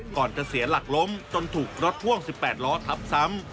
ก่อนจะเสียหลักล้มจนถูกรถพ่วง๑๘ล้อทับซ้ำ